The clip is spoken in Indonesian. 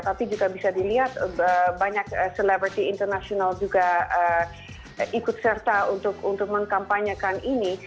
tapi juga bisa dilihat banyak celevery international juga ikut serta untuk mengkampanyekan ini